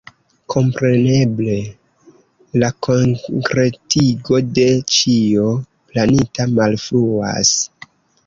Kompreneble la konkretigo de ĉio planita malfruas.